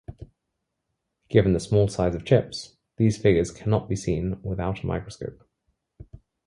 Given the small size of chips, these figures cannot be seen without a microscope.